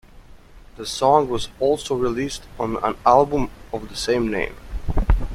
The song was also released on an album of the same name.